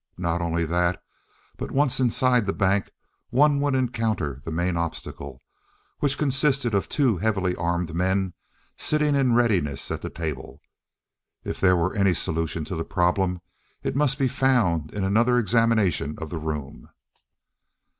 Not only that, but once inside the bank, one would encounter the main obstacle, which consisted of two heavily armed men sitting in readiness at the table. If there were any solution to the problem, it must be found in another examination of the room.